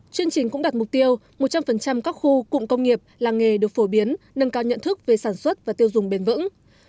chương trình cũng đặt mục tiêu một trăm linh các khu cụm công nghiệp làng nghề được phổ biến nâng cao nhận thức về sản xuất và tiêu dùng bền vững